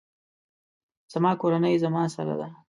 زما کورنۍ زما سره ده